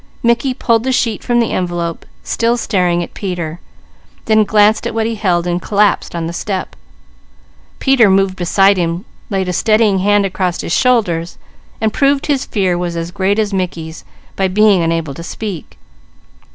Mickey pulled the sheet from the envelope, still staring at Peter, then glanced at what he held and collapsed on the step. Peter moved beside him, laid a steadying arm across his shoulders and proved his fear was as great as Mickey's by being unable to speak.